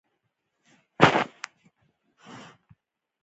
افغانستان په خپلو انګورو باندې پوره تکیه لري.